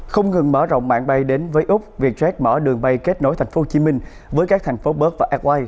không ngừng mở rộng mạng bay đến với úc vietjet mở đường bay kết nối thành phố hồ chí minh với các thành phố bớt và adwai